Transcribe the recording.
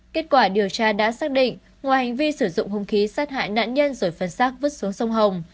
kết quả điều tra đã xác định ngoài hành vi sử dụng hung khí sát hại nạn nhân rồi phần xác vứt xuống sông hồng